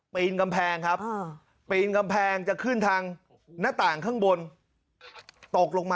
พยายามห้องนอน